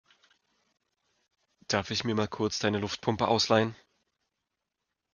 Darf ich mir mal kurz deine Luftpumpe ausleihen?